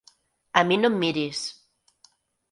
A mi no em miris!